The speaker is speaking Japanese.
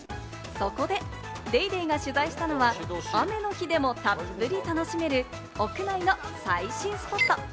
そこで『ＤａｙＤａｙ．』が取材したのは、雨の日でもたっぷり楽しめる屋内の最新スポット。